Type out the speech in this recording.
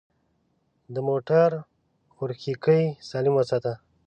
د موټر اورېښکۍ سالم وساته.